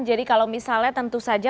jadi kalau misalnya tentu saja